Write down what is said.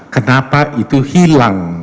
kenapa itu hilang